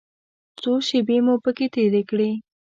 څو شېبې مو پکې تېرې کړې.